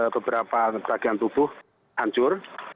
beberapa bagian tubuh hancur